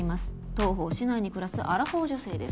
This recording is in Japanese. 「当方市内に暮らすアラフォー女性です」